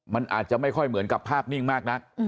มันอาจจะไม่ค่อยเหมือนกับภาพนิ่งมากนัก